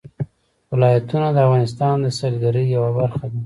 ولایتونه د افغانستان د سیلګرۍ یوه برخه ده.